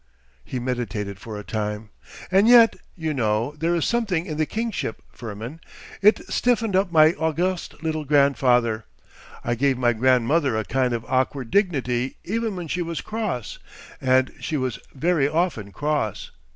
He meditated for a time. 'And yet, you know, there is something in the kingship, Firmin. It stiffened up my august little grandfather. It gave my grandmother a kind of awkward dignity even when she was cross—and she was very often cross.